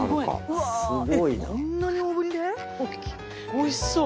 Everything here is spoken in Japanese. おいしそう。